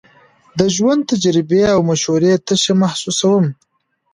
د ژوند تجربې او مشورې تشه محسوسوم.